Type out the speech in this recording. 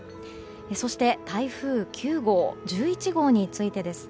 そして台風９号、１１号についてです。